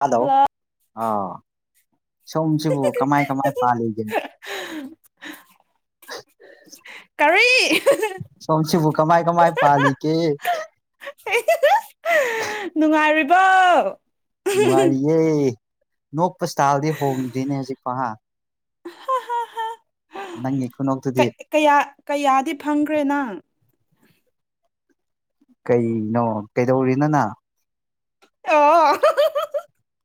Hello ꯑ ꯁꯣꯝꯁꯤꯕꯨ ꯀꯃꯥꯏ ꯀꯃꯥꯏ ꯄꯥꯜꯂꯤꯒꯦ ꯀꯔꯤ [inaudible] ꯁꯣꯝꯁꯤꯕꯨ ꯀꯃꯥꯏ ꯀꯃꯥꯏ ꯄꯥꯂꯤꯒꯦ [unintelligible] ꯅꯨꯡꯉꯥꯏꯔꯤꯕꯣ ꯅꯨꯡꯉꯥꯏꯔꯤꯌꯦ ꯅꯣꯛꯄ ꯏꯁꯇꯥꯥꯏꯜꯗꯤ ꯍꯣꯡꯗ꯭ꯔꯤꯅꯦ ꯍꯧꯖꯤꯛꯐꯥ ꯍꯥ [unintelligible] ꯅꯪꯅꯤ ꯈꯨꯅꯣꯛꯛꯇꯗꯤ ꯀꯌꯥ ꯀꯌꯥꯗꯤ ꯐꯪꯈ꯭ꯔꯦ ꯅꯪ ꯀꯩꯅꯣ ꯀꯩꯗꯧꯔꯤꯅꫭ ꯅꯪ ꯑꯣ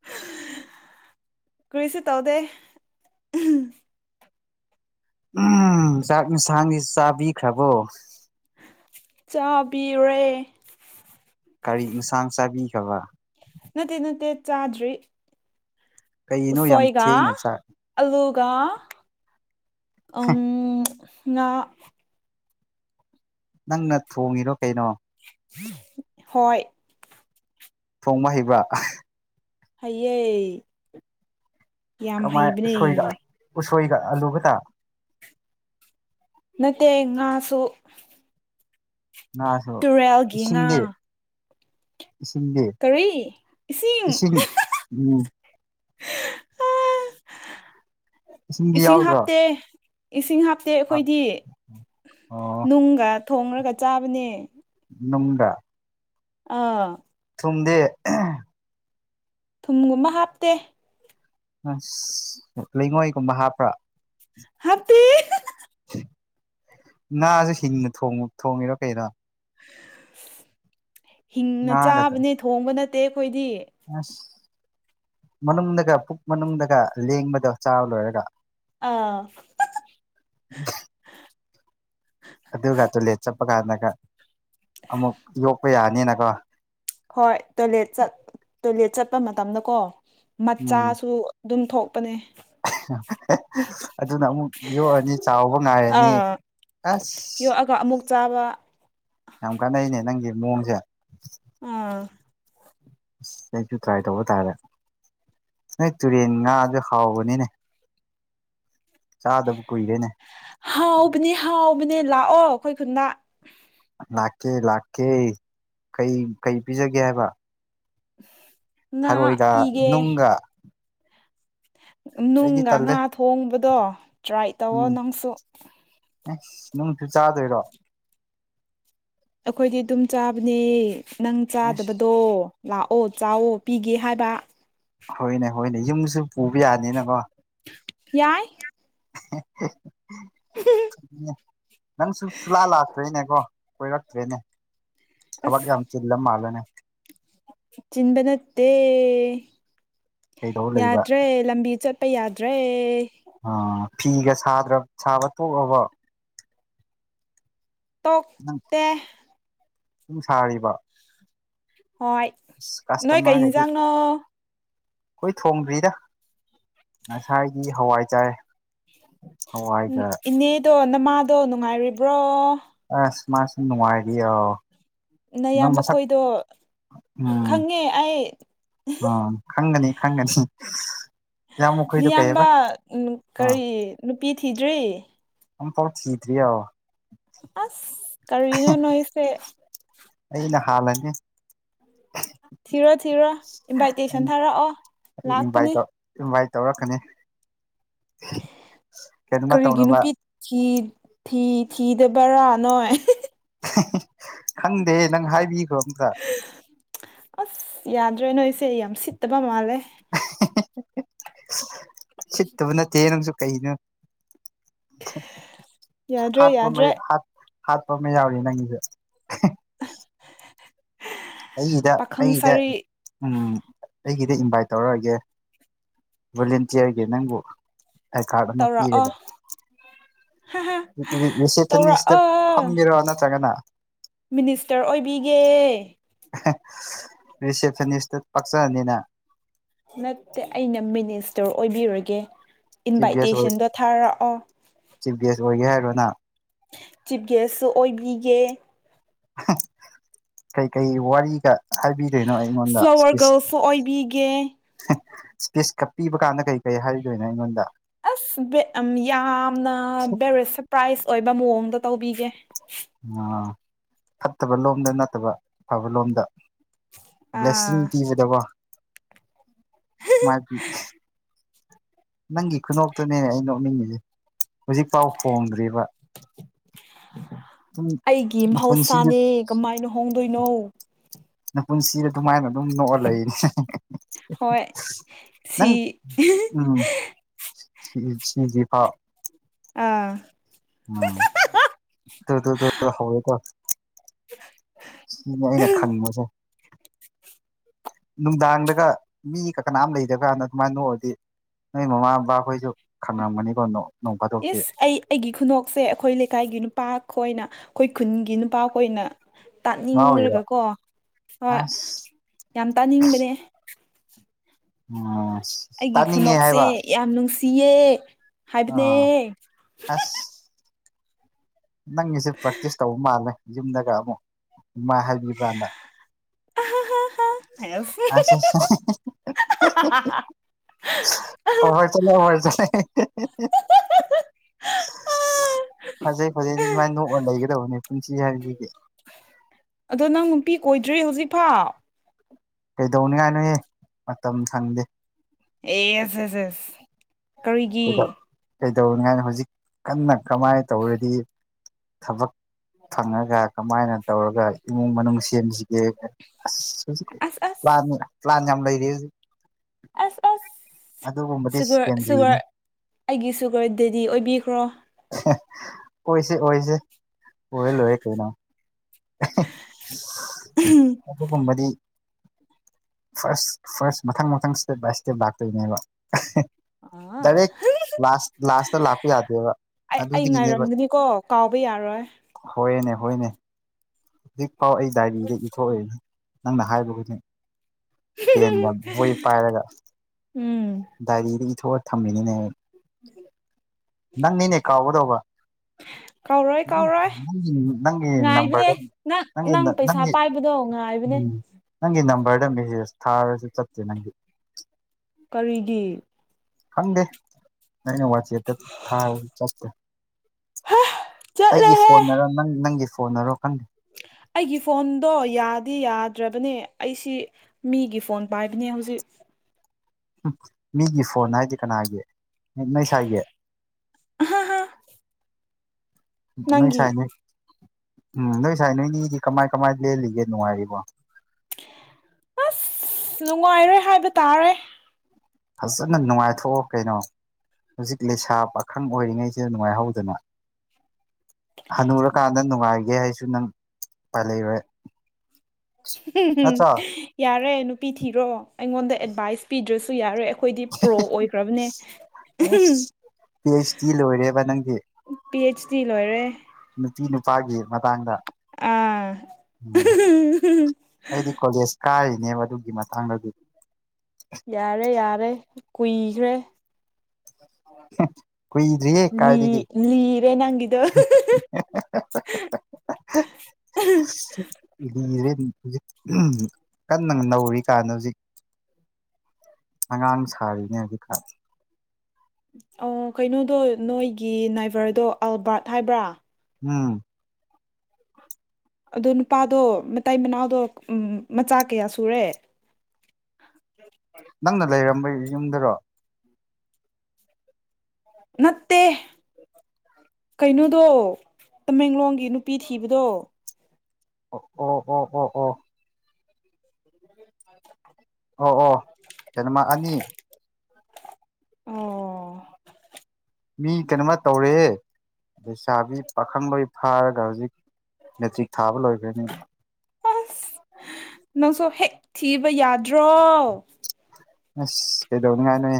[unintelligible] ꯀꯨꯔꯤꯁꯨ ꯇꯧꯗꯦ ꯎꯝ ꯆꯥꯛ ꯌꯦꯟꯁꯥꯡꯁꯤ ꯆꯥꯕꯤꯈ꯭ꯔꯕꯣ ꯆꯥꯕꯤꯔꯦ ꯀꯔꯤ ꯏꯟꯁꯥꯡ ꯆꯥꯕꯤꯒꯕ ꯅꯠꯇꯦ ꯅꯠꯇꯦ ꯆꯥꯗ꯭ꯔꯤ ꯀꯩꯅꯣ ꯌꯥꯝ ꯎꯁꯣꯏꯒ ꯊꯦꯡꯅ ꯆꯥꯛ ꯑꯂꯨꯒ ꯎꯝ ꯉꯥ ꯅꯪꯅ ꯊꯣꯡꯉꯤꯔꯣ ꯀꯩꯅꯣ ꯍꯣꯏ ꯊꯣꯡꯕ ꯍꯩꯕ ꯍꯩꯌꯦ ꯌꯥꯝ ꯀꯃꯥꯏ ꯍꯩꯕꯅꯦ ꯎꯁꯣꯏꯒ ꯎꯁꯣꯏꯒ ꯑꯂꯨꯒꯗ ꯅꯠꯇꯦ ꯉꯥꯁꯨ ꯉꯥꯁꯨ ꯇꯨꯔꯦꯜꯒꯤ ꯉꯥ ꯏꯁꯤꯡ ꯗꯦ ꯀꯔꯤ ꯏꯁꯤꯡ ꯎꯝ ꯏꯁꯤꯡꯗꯤ ꯏꯁꯤꯡ ꯌꯥꯎꯗ꯭ꯔꯣ ꯍꯥꯞꯇꯦ ꯏꯁꯤꯡ ꯍꯥꯞꯇꯦ ꯑꯩꯈꯣꯏꯗꯤ ꯑꯣ ꯅꯨꯡꯒ ꯊꯣꯡꯉꯒ ꯆꯥꯕꯅꯦ ꯅꯨꯡꯗ ꯑꯥ ꯊꯨꯝꯗꯦ [unintelligible] ꯊꯨꯝꯒꯨꯝꯕ ꯍꯥꯞꯇꯦ ꯑꯁ ꯂꯩꯉꯣꯏꯒꯨꯝꯕ ꯍꯥꯞꯄ꯭ꯔꯥ ꯍꯥꯞꯇꯦ [unintelligible] ꯉꯥꯁꯨ ꯍꯤꯡꯅ ꯊꯣꯡ ꯊꫭꯡꯉꯤꯔꯣ ꯀꯔꯣ ꯍꯤꯡꯅ ꯉꯥꯒꯗ ꯆꯥꯕꯅꯦ ꯊꯣꯡꯕ ꯅꯠꯇꯦ ꯑꯩꯈꯣꯏꯗꯤ ꯑꯁ ꯃꯅꯨꯡꯗꯒ ꯄꯨꯛ ꯃꯅꯨꯡꯗꯒ ꯂꯦꯡꯕꯗꯣ ꯆꯥꯕ ꯂꯣꯏꯔꯒ ꯑꯥ ꯑꯝ ꯑꯗꯨꯒ ꯇꯣꯏꯂꯦꯠ ꯆꯠꯄ ꯀꯥꯟꯗꯒ ꯑꯃꯨꯛ ꯌꯣꯛꯄ ꯌꯥꯅꯤꯅꯀꯣ ꯍꯣꯏ ꯇꯣꯏꯂꯦꯠ ꯆꯠ ꯇꯣꯏꯂꯦꯠ ꯆꯠꯄ ꯃꯇꯝꯗꯀꯣ ꯎꯝ ꯃꯆꯥꯁꯨ ꯑꯗꯨꯝ ꯊꯣꯛꯄꯅꯦ ꯑꯗꯨꯅ ꯑꯃꯨꯛ ꯌꯣꯛꯑꯅꯤ ꯆꯥꯎꯕ ꯉꯥꯏꯔꯅꯤ ꯑꯁ ꯆꯥꯎꯥꯕ ꯌꯥꯝ ꯀꯥꯟꯅꯩꯅꯦ ꯅꯪꯒꯤ ꯃꯑꯣꯡꯁꯦ ꯎꯝ ꯑꯁ ꯑꯩꯁꯨ ꯇ꯭ꯔꯥꯏ ꯇꯧꯕ ꯇꯥꯔꯦ ꯅꯣꯏ ꯇꯨꯔꯦꯟ ꯉꯥꯗꯣ ꯍꯥꯎꯕꯅꯤꯅꯦ ꯆꯥꯗꯕ ꯀꯨꯏꯔꯦꯅꯦ ꯍꯥꯎꯕꯅꯦ ꯍꯥꯎꯕꯅꯦ ꯂꯥꯛꯑꯣ ꯑꯩꯈꯣꯏ ꯈꯨꯟꯗ ꯂꯥꯛꯀꯦ ꯂꯥꯛꯀꯦ ꯀꯩ ꯀꯩ ꯄꯤꯖꯒꯦ ꯍꯥꯏꯕ ꯉꯥ ꯊꯔꯣꯏꯒ ꯄꯤꯒꯦ ꯅꯨꯡꯒ ꯑꯩꯗꯤ ꯅꯨꯡꯒ ꯇꯜꯂꯦ ꯉꯥ ꯊꯣꯡꯕꯗꯣ ꯇ꯭ꯔꯥꯏ ꯇꯧꯋꯣ ꯅꯪꯁꯨ ꯑꯦ ꯅꯨꯡꯁꯨ ꯆꯥꯗꯣꯏꯔꯣ ꯑꯩꯈꯣꯏꯗꯤ ꯑꯗꯨꯝ ꯆꯥꯕꯅꯦ ꯅꯪ ꯑꯦꯁ ꯆꯥꯗꯕꯗꯣ ꯂꯥꯛꯑꯣ ꯆꯥꯎꯑꯣ ꯄꯤꯒꯦ ꯍꯥꯏꯕ ꯍꯣꯏꯅꯦ ꯍꯣꯏꯅꯦ ꯌꯨꯝꯁꯨ ꯄꯨꯕ ꯌꯥꯅꯤꯅꯀꯣ ꯌꯥꯏ ꯅꯪ ꯁ ꯨꯁꯨꯂꯥꯛ ꯂꯥꯛꯇ꯭ꯔꯦꯅꯦꯀꯣ ꯀꯣꯏꯔꯛꯇ꯭ꯔꯦꯅꯦ ꯊꯕꯛꯥ ꯑꯁ ꯌꯥꯝ ꯆꯤꯟꯂ ꯃꯥꯜꯂꯦꯅꯦ ꯆꯤꯟꯗ ꯅꯠꯇꯦ ꯀꯩꯗꯧ ꯂꯩꯕ ꯌꯥꯗ꯭ꯔꯦ ꯂꯝꯕꯤ ꯆꯠ ꯑꯩ ꯌꯥꯗ꯭ꯔꯦ ꯑ ꯐꯤꯒ ꯁꯥꯗ꯭ꯔ ꯁꯥꯕ ꯇꯣꯛꯑꯕꯣ ꯇꯣꯛ ꯅꯪ ꯇꯦ [unintelligible] ꯁꯥꯔꯤꯕ ꯍꯣꯏ ꯑꯁ ꯅꯣꯏ ꯀꯩ ꯀꯁꯇꯃꯔꯒꯗꯤ ꯏꯟꯖꯥꯡꯅꯣ ꯑꯩꯈꯣꯏ ꯊꯣꯡꯗ꯭ꯔꯤꯗ ꯉꯁꯥꯏꯗꯤ ꯍꯋꯥꯏ ꯆꯥꯏꯌꯦ ꯏꯅꯦꯗꯣ ꯅꯃꯥꯗꯣ ꯅꯨꯡꯉꯥꯏꯔꯤꯕ꯭ꯔꯣ ꯑꯁ ꯃꯥꯁꯨ ꯅꯨꯡꯉꯥꯏꯔꯤꯌꯣ ꯅꯌꯥꯝꯕꯈꯣꯏꯗꯣ ꯎꯝ ꯈꯪꯉꯦ ꯑꯩ ꯑꯥ ꯈꯪꯒꯅꯤ ꯈꯪꯒꯅꯤ ꯏꯌꯥꯝꯕ ꯃꯈꯣꯏꯗꯣ ꯀꯩꯑꯕ ꯅꯌꯥꯝꯕ ꯎꯪ ꯀꯔꯤ ꯅꯨꯄꯤ ꯊꯤꯗ꯭ꯔꯤ ꯑꯝꯇ ꯊꯤꯠ꯭ꯔꯤꯌꯣ ꯑꯁ ꯀꯔꯤꯅꯣ ꯅꯣꯏꯁꯦ ꯑꯩꯅ ꯍꯥꯜꯂꯅꯤ ꯊꯤꯔꯣ ꯊꯤꯔꯣ ꯑꯩꯅ ꯏꯟꯚꯥꯏꯇꯦꯁꯟ ꯊꯥꯔꯛꯑꯣ ꯑꯩ ꯏꯟꯚꯥꯏꯠ ꯂꯥꯛꯀꯅꯤ ꯇꯧ ꯏꯟꯚꯥꯏꯠ ꯇꯧꯔꯛꯀꯅꯤ ꯀꯩꯅꯣꯃ ꯀꯔꯤꯒꯤ ꯇꯧꯅꯕ ꯅꯨꯄꯤ ꯊꯤ ꯊꯤ ꯊꯤꯗꯕꯔꯥ ꯅꯣꯏ ꯈꯪꯗꯦꯍꯦ ꯅꯪ ꯍꯥꯏꯕꯤꯒꯣ ꯑꯝꯇ [unintelligible] ꯑꯁ ꯌꯥꯗ꯭ꯔꯦ ꯅꯣꯏꯁꯦ ꯌꯥꯝ ꯁꯤꯠꯇꯕ ꯃꯥꯜꯂꯦ ꯁꯤꯠꯇꯕ ꯅꯠꯇꯦꯍꯦ ꯅꯪꯁꯨ ꯀꯩꯅꯣ [unintelligible] ꯌꯥꯗ꯭ꯔꯦ ꯍꯥꯞꯄꯨ ꯃꯩ ꯌꯥꯗ꯭ꯔꯦ ꯍꯥꯞ ꯍꯥꯠꯄꯃ ꯌꯥꯎꯔꯤ ꯅꯪꯒꯤꯗꯨ ꯑꯩꯒꯤꯗ ꯄꯥꯈꯪ ꯑꯩꯒꯤꯗ ꯁꯥꯔꯤ ꯎꯝ ꯑꯩꯒꯤꯗ ꯏꯟꯚꯥꯏꯠ ꯇꯧꯔꯛꯑꯒꯦ ꯚꯣꯂꯨꯟꯇꯤꯌꯔꯒꯤ ꯅꯪꯕꯨ ꯑꯥꯏ ꯀꯥꯔꯠ ꯑꯃꯥ ꯇꯧꯔꯛꯑꯣ ꯄꯤꯔꯒ ꯍꯥꯍꯥ [unintelligible] ꯇꯧꯔꯛꯑꯣ ꯐꯝꯒꯦꯔꯣ ꯅꯠꯇ꯭ꯔꯒꯅ ꯃꯤꯅꯤꯁꯇꯔ ꯑꯣꯏꯕꯤꯒꯦ ꯔꯤꯁꯦꯞꯁꯅꯤꯁꯇ ꯄꯛꯆꯅꯤ ꯅꯪ ꯅꯠꯇꯦ ꯑꯩꯅ ꯃꯤꯅꯤꯁꯇꯔ ꯑꯣꯏꯕꯤꯔꯣꯏꯒꯦ ꯏꯟꯚꯥꯏꯇꯦꯁꯟꯗꯣ ꯊꯥꯔꯛꯑꯣ ꯆꯤꯐ ꯒꯦꯁ ꯑꯣꯏꯒꯦ ꯍꯥꯏꯔꯣ ꯅꯪ ꯆꯤꯐ ꯒꯦꯁꯁꯨ ꯑꯣꯏꯕꯤꯒꯦ [unintelligible] ꯀꯩꯀꯩ ꯋꯥꯔꯤꯒ ꯍꯥꯏꯕꯤꯗꯣꯏꯅꯣ ꯑꯩꯉꯣꯟꯗ ꯐ꯭ꯂꯋꯔ ꯁ꯭ꯄꯤꯁ ꯒꯔꯜꯁꯨ ꯑꯣꯏꯕꯤꯒꯦ [unintelligible] ꯁ꯭ꯄꯤꯁꯀ ꯄꯤꯕ ꯀꯥꯟꯗ ꯀꯩ ꯀꯩ ꯍꯥꯏꯗꯣꯏꯅꯣ ꯑꯩꯉꯣꯟꯗ ꯑꯁ ꯕꯦꯠ ꯑꯝ ꯌꯥꯝꯅ ꯕꯦꯔꯤ ꯁꯔꯄ꯭ꯔꯥꯏꯖ ꯑꯣꯏꯕ ꯃꯑꯣꯡꯗ ꯇꯧꯕꯤꯒꯦ ꯑ ꯐꯠꯇꯕ ꯂꯣꯝꯗ ꯅꯠꯇꯕ ꯑꯐꯕ ꯂꯣꯝꯗ ꯕ꯭ꯂꯦꯁꯤꯡ ꯑꯥ ꯄꯤꯕꯗꯕ ꯃꯥꯒꯤ [unintelligible] ꯅꯪꯒꯤ ꯈꯨꯅꯣꯛꯇꯨꯅꯤꯅꯦ ꯑꯩ ꯅꯣꯛꯅꯤꯡꯉꯤꯁꯦ ꯍꯧꯖꯤꯛꯐꯥꯎ ꯍꯣꯡꯗ꯭ꯔꯤꯕ ꯑꯗꯨꯝ ꯑꯩꯒꯤ ꯅꯄꯨꯟꯁꯤꯗ ꯃꯍꯧꯁꯥꯅꯦ ꯀꯃꯥꯏꯅ ꯍꯣꯡꯗꯣꯏꯅꯣ ꯅꯄꯨꯟꯁꯤꯗ ꯑꯗꯨꯃꯥꯏꯅ ꯑꯗꯨꯝ ꯅꯣꯛꯑ ꯂꯩ__ ꯍꯣꯏ [unintelligible] [unintelligible] ꯅꯪ ꯁꯤ ꯎꯝ ꯁꯤ ꯑ ꯁꯤꯗ꯭ꯔꯤꯐꯥꯎ ꯑꯥ [unintelligible] ꯇꯣ ꯇꯣ ꯗꯣ ꯗꯣ ꯍꯧꯔꯦꯇꯣ [unintelligible] ꯁꯤꯅꯦ ꯑꯩꯅ ꯈꯪꯕꯁꯦ ꯅꯨꯡꯗꯥꯡꯗꯒ ꯃꯤꯀꯥ ꯀꯅꯥꯝ ꯂꯩꯇꯕ ꯀꯥꯟꯗ ꯑꯗꯨꯃꯥꯏ ꯅꯣꯛꯑꯗꯤ ꯅꯣꯏ ꯃꯃꯥ ꯕꯥꯕꯥꯈꯣꯏꯁꯨ ꯈꯪꯔꯝꯒꯅꯤꯀꯣ ꯅꯣꯛ__ ꯏꯁ ꯑꯩ ꯑꯩꯒꯤ ꯈꯨꯅꯣꯛꯁꯦ ꯑꯩꯈꯣꯏ ꯂꯩꯀꯥꯏꯒꯤ ꯅꯨꯄꯥꯈꯣꯏꯅ ꯑꯩꯈꯣꯏ ꯈꯨꯟꯒꯤ ꯅꯨꯄꯥꯈꯣꯏꯅ ꯉꯥꯎꯔꯤꯕ ꯇꯥꯅꯤꯡꯔꯒꯀꯣ ꯐꯥ ꯑꯁ ꯌꯥꯝ ꯇꯥꯅꯤꯡꯕꯅꯦ [unintelligible] ꯑꯩꯒꯤ ꯈꯨꯅꯣꯛꯁꯦ ꯍꯥꯏꯕ ꯌꯥꯝ ꯅꯨꯡꯁꯤꯌꯦ ꯍꯥꯏꯕꯅꯦ ꯑꯥ [unintelligible] ꯑꯁ ꯅꯪꯒꯤꯁꯦ ꯄ꯭ꯔꯦꯛꯇꯤꯁ ꯇꯧꯕ ꯃꯥꯜꯂꯦ ꯌꯨꯝꯗꯒ ꯑꯃꯨꯛ ꯑꯃꯥꯏ ꯍꯥꯏꯕꯤꯕ꯭ꯔꯥꯅ ꯑꯁ [unintelligible] [unintelligible] [unintelligible] ꯐꯖꯩ ꯐꯖꯩ ꯑꯗꯨꯃꯥꯏ ꯅꯣꯛꯑ ꯂꯩꯒꯗꯧꯕꯅꯤ ꯄꯨꯟꯁꯤ ꯍꯥꯏꯁꯤꯗꯤ ꯑꯗꯣ ꯅꯪ ꯅꯨꯄꯤ ꯀꯣꯏꯗ꯭ꯔꯤ ꯍꯧꯖꯤꯛꯐꯥꯎ ꯀꯩꯗꯧꯅꯤꯉꯥꯏꯅꯣꯍꯦ ꯃꯇꯝ ꯁꯪꯗꯦ ꯑꯦꯁ ꯑꯦꯁ ꯑꯦꯁ ꯀꯔꯤꯒꯤ ꯀꯩꯗꯧꯅꯤꯉꯥꯏꯅꯣ ꯍꯧꯖꯤꯛ ꯀꯟꯅ ꯀꯃꯥꯏꯅ ꯇꯧꯔꯗꯤ ꯊꯕꯛ ꯐꯪꯉꯒ ꯀꯃꯥꯏꯅ ꯇꯧꯔꯒ ꯏꯃꯨꯡ ꯃꯅꯨꯡ ꯁꯦꯝꯁꯤ__ ꯒꯦꯅ ꯑꯁ ꯍꯧꯖꯤꯛꯇꯤ ꯑꯁ ꯑꯁ ꯄ꯭ꯂꯥꯟ ꯄ꯭ꯂꯥꯟ ꯌꯥꯝ ꯂꯩꯔꯤꯌꯦ ꯍꯧꯖꯤꯛ__ ꯑꯁ ꯑꯁ ꯑꯗꯨꯒꯨꯝꯕꯗꯤ ꯁꯨꯒꯔ ꯁꯦꯀꯦꯟꯗ꯭ꯔꯤꯅꯦ ꯁꯨꯒꯔ ꯑꯩꯒꯤ ꯁꯨꯒꯔ ꯗꯦꯗꯤ ꯑꯣꯏꯕꯤꯈ꯭ꯔꯣ [unintelligible] ꯑꯣꯏꯁꯦ ꯑꯣꯏꯁꯦ ꯑꯣꯏꯔ ꯂꯣꯏꯔꯦ ꯀꯩꯅꯣ [unintelligible] ꯑꯗꯨꯒꯨꯝꯕꯗꯤ ꯐꯥꯔꯁ ꯐꯥꯔꯁ ꯃꯊꯪ ꯃꯊꯪ ꯁ꯭ꯇꯦꯞ ꯕꯥꯏ ꯁ꯭ꯇꯦꯞ ꯂꯥꯛꯇꯣꯏꯅꯦꯕ ꯑꯥ ꯗꯥꯏꯔꯦꯛ ꯂꯥꯁ ꯂꯥꯁꯇ ꯂꯥꯛꯄ ꯌꯥꯗꯦꯕ ꯑꯩ ꯑꯩ ꯑꯗꯨꯗꯒꯤꯅꯦꯕ ꯉꯥꯏꯔꯝꯒꯅꯤꯀꯣ ꯀꯥꯎꯕ ꯌꯥꯔꯣꯏ ꯍꯣꯏꯅꯦ ꯍꯣꯏꯅꯦ ꯍꯧꯖꯤꯛꯐꯥꯎ ꯑꯩ ꯗꯥꯏꯔꯤꯗ ꯏꯊꯣꯛꯔꯤꯅꯤ ꯅꯪꯅ ꯍꯥꯏꯕ ꯈꯨꯗꯤꯡ ꯄꯦꯟꯒ ꯕꯣꯏ ꯄꯥꯏꯔꯒ ꯎꯝ ꯗꯥꯏꯔꯤꯗ ꯏꯊꯣꯛ ꯑꯣꯏ ꯊꯝꯃꯤꯅꯤꯅꯦꯍꯦ [unintelligible] ꯅꯪꯅꯤꯅꯦ ꯀꯥꯎꯒꯗꯧꯕ ꯀꯧꯔꯣꯏ ꯀꯧꯔꯣꯏ ꯅꯪ ꯉꯥꯏꯕꯅꯦ ꯅꯝꯕ꯭ꯔꯪ ꯅꯪ ꯅꯪ ꯄꯩꯁꯥ ꯅꯪꯒꯤ ꯄꯥꯏꯕꯗꯣ ꯉꯥꯏꯕꯅꯦ ꯎꯝ ꯅꯪꯒꯤ ꯅꯝꯕꯔꯗ ꯃꯦꯁꯦꯖ ꯊꯥꯔꯁꯨ ꯆꯠꯇꯦ ꯅꯪꯒꯤ ꯀꯔꯤꯒꯤ ꯈꯪꯗꯦ ꯑꯩꯅꯥ ꯋꯥꯆꯦꯄ ꯊꯔꯁꯨ ꯆꯥꯇꯦ꯫ ꯑꯩꯒꯤ ꯆꯠꯂꯦꯍꯦ ꯐꯣꯟꯅꯔꯣ ꯅꯪ ꯅꯪꯒꯤ ꯐꯣꯟꯅꯔꯣ ꯈꯪꯗꯦ꯫ ꯑꯩꯒꯤ ꯐꯣꯟꯗꯣ ꯌꯥꯗꯤ ꯌꯥꯗ꯭ꯔꯕꯅꯦ ꯑꯩꯁꯤ ꯃꯤꯒꯤ ꯐꯣꯟ ꯄꯥꯏꯕꯅꯦ ꯍꯧꯖꯤꯛ ꯃꯤꯒꯤ ꯐꯣꯟ ꯍꯥꯏꯗꯤ ꯀꯅꯥꯒꯤ ꯅꯣꯏ ꯁꯥꯏꯒꯤ꯫ ꯍꯥ ꯍ ꯅꯣꯏ ꯁꯥꯏ ꯅꯣꯏ ꯎꯝ ꯅꯣꯏ ꯁꯥꯏ ꯅꯣꯏꯅꯤꯗꯤ ꯀꯃꯥꯏ ꯀꯃꯥꯏ ꯂꯦꯜꯂꯤꯒꯦ ꯅꯨꯡꯉꯥꯏꯔꯤꯕꯣ꯫ ꯑꯁ ꯅꯨꯡꯉꯥꯏꯔꯦ ꯍꯥꯏꯕ ꯇꯥꯔꯦ꯫ ꯐꯖꯅ ꯅꯨꯡꯉꯥꯏꯊꯣꯛꯑꯣ ꯀꯩꯅꯣ ꯍꯧꯖꯤꯛ ꯂꯩꯁꯥ ꯄꯥꯈꯪ ꯑꯣꯏꯔꯤꯉꯩꯁꯤꯗ ꯅꯨꯡꯉꯥꯏꯍꯧꯗꯅ ꯍꯅꯨꯔꯀꯥꯟꯗ ꯅꯨꯡꯉꯥꯏꯒꯦ ꯍꯥꯏꯁꯨ ꯅꯪ ꯄ ꯂꯩꯔꯣꯏ ꯝ ꯅꯠꯇ꯭ꯔꯣ ꯌꯥꯔꯦ ꯅꯨꯄꯤ ꯊꯤꯔꯣ ꯑꯩꯉꯣꯟꯗ ꯑꯦꯗꯚꯥꯏꯁ ꯄꯤꯗ꯭ꯔꯁꯨ ꯌꯥꯔꯣꯏ ꯑꯩꯈꯣꯏꯗꯤ ꯄ꯭ꯔꯣ ꯑꯣꯏꯈ꯭ꯔꯕꯅꯦ꯫ ꯑꯁ ꯄꯤ ꯑꯩꯆ ꯗꯤ ꯂꯣꯏꯔꯦꯕ ꯅꯪꯗꯤ ꯄꯤ ꯑꯩꯆ ꯗꯤ ꯂꯣꯏꯔꯦ꯫ ꯅꯨꯄꯤ ꯅꯨꯄꯥꯒꯤ ꯃꯇꯥꯡꯗ ꯑ ꯎꯝ ꯑꯩꯗꯤ ꯀꯣꯂꯦꯖ ꯀꯥꯔꯤꯅꯦꯕ ꯑꯗꯨꯒꯤ ꯃꯇꯥꯡꯗꯗꯤ ꯌꯥꯔꯦ ꯌꯥꯔꯦ ꯀꯨꯏꯈ꯭ꯔꯦ꯫ ꯀꯨꯏꯗ꯭ꯔꯤꯌꯦ ꯂꯤ ꯀꯥꯏꯗꯒꯤ꯫ ꯂꯤꯔꯦ ꯅꯪꯒꯤꯗꯣ [inaudible] ꯂꯤꯔꯦ ꯍꯧꯖꯤꯛ ꯀꯟꯅ ꯅꯧꯔꯤ ꯀꯥꯟꯗ ꯍꯧꯖꯤꯛ ꯑꯉꯥꯡ ꯁꯥꯔꯤꯅꯦ ꯍꯧꯖꯤꯛ ꯈꯅ ꯀꯩꯅꯣꯗꯣ ꯅꯣꯏꯒꯤ ꯅꯥꯏꯚꯔꯗꯣ ꯑꯜꯕꯥꯔꯠ ꯍꯥꯏꯕ꯭ꯔꯥ ꯎꯝ ꯑꯗꯣ ꯅꯨꯄꯥꯗꯣ ꯃꯇꯩ ꯃꯅꯥꯎꯗꯣ ꯃꯆꯥ ꯀꯌꯥ ꯁꯨꯔꯦ꯫ ꯅꯪꯅ ꯂꯩꯔꯝꯕ ꯌꯨꯝꯗꯔꯣ [inaudible] ꯅꯠꯇꯦ꯫ ꯀꯩꯅꯣꯗꯣ ꯇꯃꯦꯡꯂꯣꯡꯒꯤ ꯅꯨꯄꯤ ꯊꯤꯕꯗꯣ꯫ ꯑꯣ ꯑꯣ ꯑꯣꯣ ꯑꯣꯣ ꯑꯣ [inaudible] ꯑꯣ ꯑꯣ ꯀꯩꯅꯣꯃ ꯑꯅꯤ꯫ ꯑꯣ ꯃꯤ ꯀꯩꯅꯣꯃ ꯇꯧꯔꯦ ꯂꯩꯩꯁꯥꯕꯤ ꯄꯥꯈꯪꯕꯩ ꯐꯥꯔꯒ ꯍꯧꯖꯤꯛ ꯃꯦꯇ꯭ꯔꯤꯛ ꯊꯥꯕ ꯂꯣꯏꯈ꯭ꯔꯅꯤ꯫ ꯑꯁ ꯅꯪꯁꯨ ꯍꯦꯛ ꯊꯤꯕ ꯌꯥꯗ꯭ꯔꯣ꯫ ꯑꯁ ꯀꯩꯗꯧꯅꯤꯡꯉꯥꯏꯅꯣꯌꯦ꯫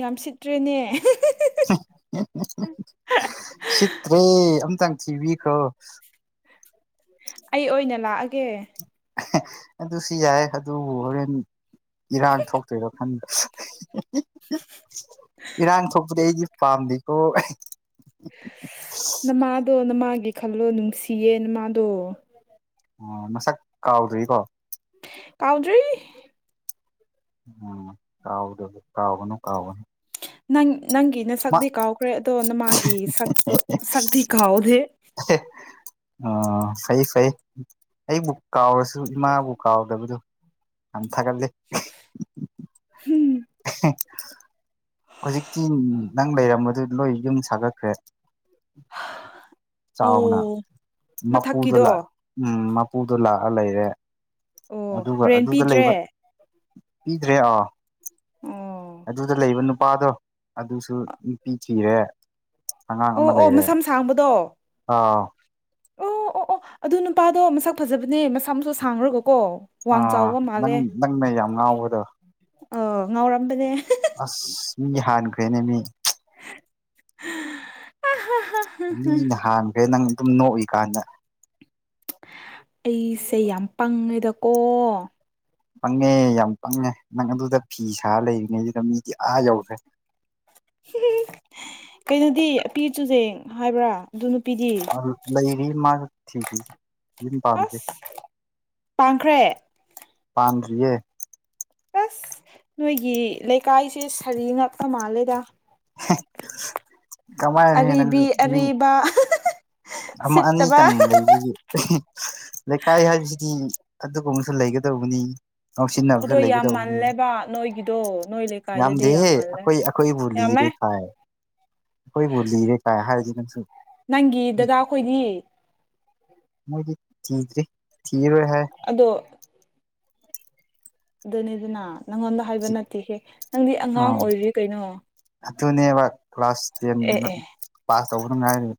ꯌꯥꯝ ꯁꯤꯠꯇ꯭ꯔꯦꯅꯦ꯫ ꯁꯤꯠꯇ꯭ꯔꯦ ꯑꯝꯇꯪ ꯊꯤꯕꯤꯈ꯭ꯔꯣ꯫ ꯑꯩ ꯑꯣꯏꯅ ꯂꯥꯛꯑꯒꯦ꯫ ꯑꯗꯨꯁꯨ ꯌꯥꯏ ꯑꯗꯨꯕꯨ ꯍꯣꯔꯦꯟ ꯏꯔꯥꯡ ꯊꯣꯛꯇꯣꯏꯔꯣ ꯈꯟꯕ ꯏꯔꯥꯡ ꯊꯣꯛꯄꯗꯤ ꯑꯩꯗꯤ ꯄꯥꯝꯗꯦꯀꯣ ꯅꯃꯥꯗꯣ ꯅꯃꯥꯒꯤ ꯈꯜꯂꯣ ꯅꯨꯡꯁꯤꯌꯦ ꯅꯃꯥꯗꯣ ꯑꯣ ꯃꯁꯛ ꯀꯥꯎꯗ꯭ꯔꯤꯀꯣ ꯀꯥꯎꯗ꯭ꯔꯤ꯫ ꯎꯝ ꯀꯥꯎꯗ ꯀꯥꯎꯅꯨ ꯀꯥꯎꯅꯨ꯫ ꯅꯪ ꯅꯪꯒꯤ ꯅꯁꯛꯇꯤ ꯀꯥꯎꯈ꯭ꯔꯦ ꯑꯗꯣ ꯅꯃꯥꯒꯤ ꯁꯛꯇꯣ ꯁꯛꯇꯤ ꯀꯥꯎꯗꯦ ꯑ ꯐꯩꯌꯦ ꯐꯩꯌꯦ ꯑꯩꯕꯨ ꯀꯥꯎꯔꯁꯨ ꯏꯃꯥꯕꯨ ꯀꯥꯎꯗꯕꯗꯨ ꯌꯥꯝ ꯊꯥꯒꯠꯂꯦ ꯍꯨꯝ [unintelligible] ꯍꯧꯖꯤꯛꯇꯤ ꯅꯪ ꯂꯩꯔꯝꯕꯗꯨ ꯂꯣꯏ ꯌꯨꯝ ꯁꯥꯒꯠꯈ꯭ꯔꯦ ꯆꯥꯎꯅꯥ ꯑꯣ ꯃꯄꯨꯗꯨꯂꯥꯛ ꯃꯊꯛꯀꯤꯗꯣ ꯎꯝ ꯃꯄꯨꯗꯣ ꯂꯥꯛꯑ ꯂꯩꯔꯦ ꯑꯣ ꯑꯗꯨꯒ ꯔꯦꯟ ꯑꯗꯨꯗ ꯂꯩꯕ ꯄꯤꯗ꯭ꯔꯦ ꯄꯤꯗ꯭ꯔꯦ ꯑꯥ ꯑꯣ ꯑꯗꯨꯗ ꯂꯩꯕ ꯅꯨꯞ ꯄꯥꯗꯣ ꯑꯗꯨꯁꯨ ꯅꯨꯄꯤ ꯊꯤꯔꯦ ꯑꯉꯥꯡ ꯑꯣ ꯑꯃ ꯑꯣ ꯂꯩꯔꯦ ꯃꯁꯝ ꯁꯥꯡꯕꯗꯣ ꯑꯥ ꯑꯣ ꯑꯣ ꯑꯣ ꯑꯗꯨ ꯅꯨꯄꯥꯗꯣ ꯃꯁꯛ ꯐꯖꯕꯅꯦ ꯃꯁꯝꯁꯨ ꯁꯥꯡꯔꯒꯀꯣ ꯋꯥꯡ ꯑꯥ ꯆꯥꯎꯕ ꯅꯪ ꯅꯪꯅ ꯌꯥꯝ ꯉꯥꯎꯕꯗꯣ ꯑꯣ ꯉꯥꯎꯔꯝꯕꯅꯦ ꯑꯁ ꯃꯤ ꯍꯥꯟꯈ꯭ꯔꯦꯅꯦ ꯃꯤ ꯃꯤꯅ ꯍꯥꯟꯈ꯭ꯔꯦ ꯅꯪ ꯑꯗꯨꯝ ꯅꯣꯛꯏꯀꯥꯟꯗ ꯑꯩꯁꯦ ꯌꯥꯝ ꯄꯪꯉꯦꯗꯀꯣ ꯄꯪꯉꯦ ꯌꯥꯝ ꯄꯪꯉꯦ ꯅꯪ ꯑꯗꯨꯗ ꯐꯤ ꯁꯥ ꯂꯩꯔꯤꯉꯩꯁꯤꯗ ꯃꯤꯗꯤ ꯑꯥ ꯌꯧꯈ꯭ꯔꯦ ꯀꯩꯅꯣꯗꯤ ꯑꯄꯤ ꯆꯨꯖꯦꯡ ꯍꯥꯏꯕ꯭ꯔꯥ ꯑꯗꯨꯅꯨꯞ ꯑ ꯂꯩꯔꯤ ꯃꯥꯖꯨ ꯊꯤꯗ꯭ꯔꯤ ꯌꯨꯝ ꯄꯥꯝꯗ꯭ꯔꯤ ꯑꯁ ꯄꯥꯡꯈ꯭ꯔꯦ ꯄꯥꯟꯗ꯭ꯔꯤꯌꯦ ꯑꯁ ꯅꯣꯏꯒꯤ ꯂꯩꯀꯥꯏꯁꯦ ꯁꯥꯔꯤ ꯉꯥꯛꯇ ꯃꯥꯜꯂꯦꯗ ꯀꯃꯥꯏꯅ ꯅꯪꯁꯨ ꯑꯔꯤꯕꯤ ꯃꯤ ꯑꯔꯤꯕ ꯑꯃ ꯁꯤꯠꯇꯕ ꯑꯅꯤꯇꯪ ꯂꯩꯔꯤꯌꯤ ꯂꯩꯀꯥꯏ ꯍꯥꯏꯕꯁꯤꯗꯤ ꯑꯗꯨꯒꯨꯝꯕꯁꯨ ꯂꯩꯒꯗꯧꯕꯅꯤ ꯉꯧꯁꯤꯟꯅꯕꯁꯨ ꯑꯗꯣ ꯌꯥꯝ ꯂꯩꯒꯗꯧꯕꯅꯦ ꯃꯥꯜꯂꯦꯕ ꯅꯣꯏꯒꯤꯗꯣ ꯅꯣꯏ ꯂꯩꯀꯥꯏꯗꯗꯤ ꯌꯥꯝ ꯌꯥꯝꯗꯦꯍꯦ ꯃꯥꯜꯂꯦ ꯑꯈꯣꯏ ꯑꯈꯣꯏꯕꯨ ꯂꯤꯔꯦ ꯌꯥꯝꯃꯦ ꯍꯥꯏ ꯑꯈꯣꯏꯕꯨ ꯂꯤꯔꯦ ꯀꯥꯏ ꯍꯥꯏꯔꯗꯤ ꯅꯪꯁꯨ ꯅꯪꯒꯤ ꯗꯥꯗꯥ ꯈꯣꯏꯗꯤ ꯃꯣꯏꯗꯤ ꯊꯤꯗ꯭ꯔꯤ ꯊꯤꯔꯔꯣꯏ ꯍꯥꯏ ꯑꯗꯣ ꯑꯗꯨꯅꯤꯗꯅ ꯅꯪꯉꯣꯟꯗ ꯍꯥꯏꯕ ꯅꯠꯇꯦꯍꯦ ꯅꯪꯗꯤ ꯑꯉꯥꯡ ꯑꯥ ꯑꯣꯏꯔꯤ ꯀꯩꯅꯣ ꯑꯗꯨꯅꯦꯕ ꯀ꯭ꯂꯥꯁ ꯇꯦꯟ ꯑꯦ ꯅ ꯑꯦ ꯄꯥꯁ ꯇꯧꯕꯅ ꯉꯥꯏꯔꯤ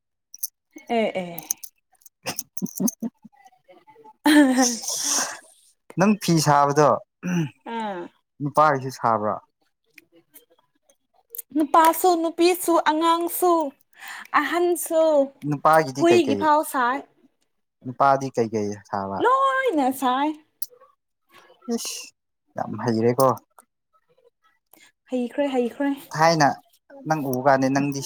ꯑꯦ ꯑꯦ [unintelligible] [unintelligible] ꯅꯪ ꯐꯤ ꯁꯥꯕꯗꯣ ꯎꯝ ꯎꯝ ꯅꯨꯄꯥꯒꯤꯁꯨ ꯁꯥꯕ꯭ꯔꯥ [inaudible] ꯅꯨꯄꯥꯁꯨ ꯅꯨꯄꯤꯁꯨ ꯑꯉꯥꯡꯁꯨ ꯑꯍꯟꯁꯨ ꯅꯨꯄꯥꯒꯤꯗꯤ ꯍꯨꯏꯒꯤ ꯀꯩꯀꯩ ꯐꯥꯎ ꯁꯥꯏ ꯅꯨꯄꯥꯗꯤ ꯀꯩ ꯀꯩ ꯁꯕꯥ ꯂꯣꯏꯅ ꯁꯥꯏ ꯏꯁ ꯌꯥꯝ ꯍꯩꯔꯦꯀꯣ ꯍꯩꯈ꯭ꯔꯦ ꯍꯩꯈ꯭ꯔꯦ ꯑꯩꯅ ꯅꯪꯕꯨ ꯎꯒꯅꯤ ꯅꯪꯗꯤ ꯁꯤ